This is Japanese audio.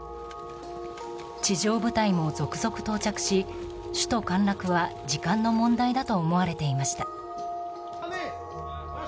地上部隊も続々到着し首都陥落は時間の問題だと思われていました。